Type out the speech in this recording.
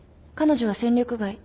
彼女は戦力外。